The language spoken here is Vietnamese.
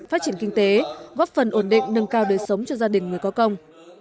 phát triển kinh tế góp phần ổn định nâng cao đời sống cho gia đình người có công